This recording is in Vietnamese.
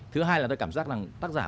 thứ hai là tôi cảm giác rằng tác giả